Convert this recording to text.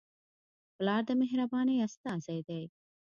پلار د مهربانۍ استازی دی.